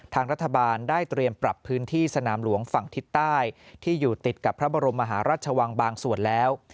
ทางรัฐบาลได้เตรียมปรับพื้นที่สนามหลวงฝั่งทิศใต้ที่อยู่ติดกับพระบรมมหาราชวังบางส่วนแล้ว